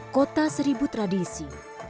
kota seribu tradisi